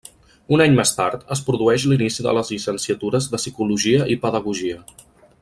Un any més tard, es produeix l'inici de les llicenciatures de Psicologia i Pedagogia.